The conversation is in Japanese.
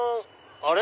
あれ？